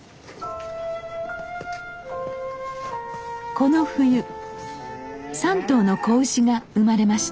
この冬３頭の子牛が生まれました。